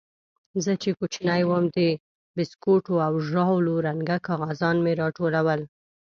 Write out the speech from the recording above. زه چې کوچنى وم د بيسکوټو او ژاولو رنګه کاغذان مې راټولول.